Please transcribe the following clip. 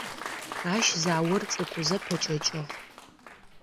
Ащ заор цӀыкӀузэ пэкӏэкӏыгъ.